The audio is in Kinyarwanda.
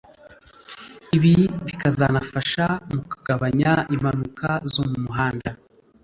ibi bikazanafasha mu kagabanya impanuka zo mu muhanda